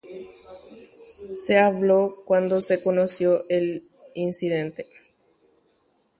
Ayvúko oikókuri ojekuaakuévo upe ojehuva'ekue.